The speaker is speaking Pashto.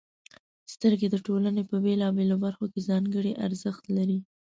• سترګې د ټولنې په بېلابېلو برخو کې ځانګړې ارزښت لري.